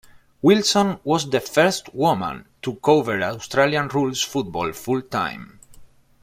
Wilson was the first woman to cover Australian Rules football full-time.